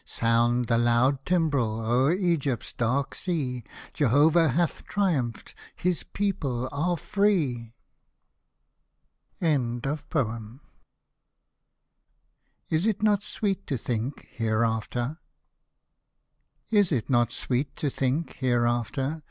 Sound the loud Timbrel o'er Egypt's dark sea, Jehovah has triumphed — his people are free ! IS IT NOT SWEET TO THINK, HEREAFTER Is it not sweet to think, hereafter.